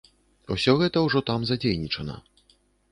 Усё гэта ўжо там задзейнічана.